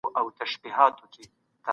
باورونه انسان ته ډاډ ورکوي.